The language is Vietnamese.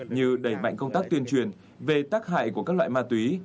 như đẩy mạnh công tác tuyên truyền về tác hại của các loại ma túy